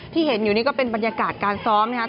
ที่เห็นอยู่นี่ก็เป็นบรรยากาศการซ้อมนะครับ